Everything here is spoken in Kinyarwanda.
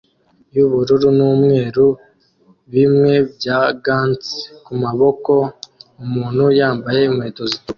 yubururu numweru bimwe bya gants kumaboko umuntu yambaye inkweto zitukura